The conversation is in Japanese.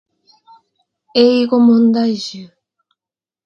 英語問題集